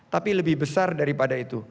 tapi lebih besar daripada itu